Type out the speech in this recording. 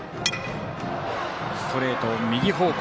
ストレートを右方向。